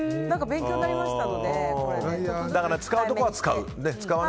勉強になりました？